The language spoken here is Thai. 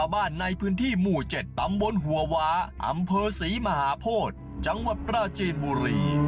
บ้านในพื้นที่หมู่๗ตำบลหัววาอำเภอศรีมหาโพธิจังหวัดปราจีนบุรี